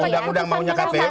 undang undang maunya kpu